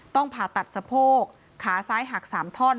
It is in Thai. ผ่าตัดสะโพกขาซ้ายหัก๓ท่อน